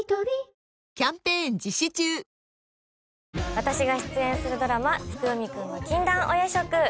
私が出演するドラマ『月読くんの禁断お夜食』。